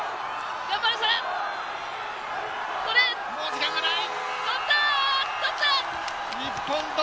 もう時間がない。